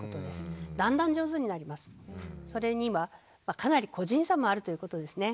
それにはかなり個人差もあるということですね。